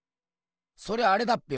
そりゃあれだっぺよ